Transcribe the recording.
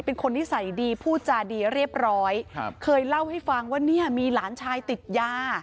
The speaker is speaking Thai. เป็นคนนิสัยดีผู้จาดีเรียบร้อย